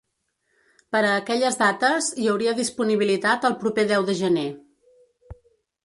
Per a aquelles dates, hi hauria disponibilitat el proper deu de gener.